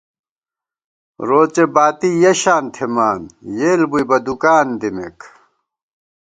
روڅے باتی یَہ شان تھِمان، یېل بُوئی بہ دُکان دِمېک